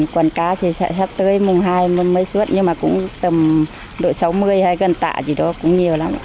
quần cá sẽ sắp tới mùng hai mới xuất nhưng mà cũng tầm đội sáu mươi hay gần tạ thì đó cũng nhiều lắm